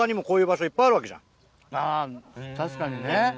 あぁ確かにね。